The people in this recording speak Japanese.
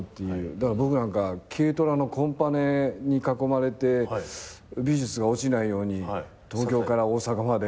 だから僕なんか軽トラのコンパネに囲まれて美術が落ちないように東京から大阪まで。